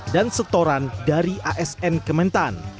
dan setoran dari asn kementan